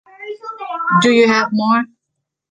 Do you have more?